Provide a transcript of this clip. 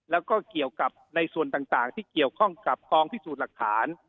แล้วก็เกี่ยวกับในส่วนต่างที่เกี่ยวข้องกับกองพิสูจน์หลักฐาน